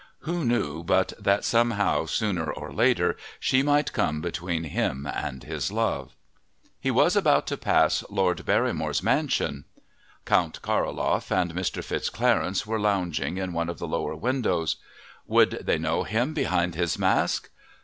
Who knew but that somehow, sooner or later, she might come between him and his love? He was about to pass Lord Barrymore's mansion. Count Karoloff and Mr. FitzClarence were lounging in one of the lower windows. Would they know him behind his mask?